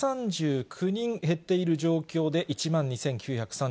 １３９人減っている状況で、１万２９３５人。